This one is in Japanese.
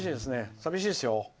寂しいですよ。